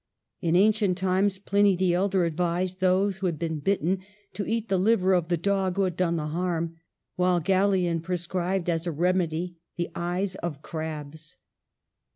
In ancient times Pliny the Elder advised those who had been bitten to eat the liver of the dog who had done the harm, while Gallian prescribed as a remedy the eyes of crabs!